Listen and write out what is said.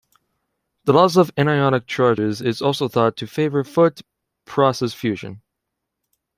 The loss of anionic charges is also thought to favor foot process fusion.